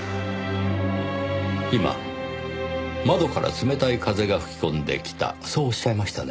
今窓から冷たい風が吹き込んできたそうおっしゃいましたね？